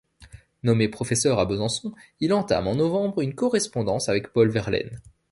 Nommé professeur à Besançon, il entame en novembre une correspondance avec Paul Verlaine.